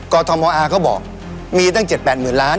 กอทอมอลอ่าเขาบอกมีตั้งเจ็ดแปดหมื่นล้าน